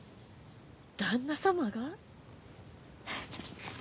旦那様が？